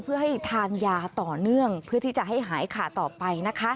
เพื่อให้ทานยาต่อเนื่องเพื่อที่จะให้หายขาดต่อไปนะคะ